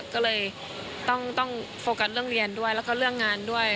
ก็เลยต้องโฟกัสเรื่องเรียนด้วยแล้วก็เรื่องงานด้วย